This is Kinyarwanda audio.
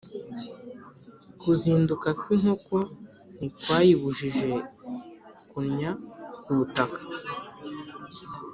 Kuzinduka kw’inkoko ntikwayibujije kunnya ku butanda.